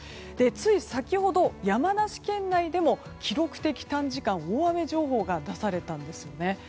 つい先ほど、山梨県内でも記録的短時間大雨情報が出されたんですよね。